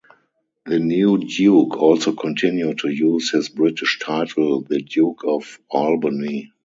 The new Duke also continued to use his British title, the Duke of Albany.